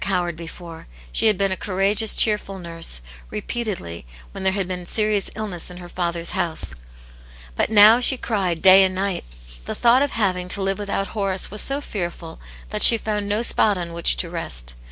i;it yane's Hero before ; she had been a courageous, cheerful nurse> repeatedly, when there had been serious illness in her father's house. But now she cried day and night. The thought of having to live without Horace was so fearful that she found no spot on whi(di to rest.